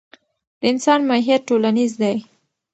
د انسان ماهیت ټولنیز دی.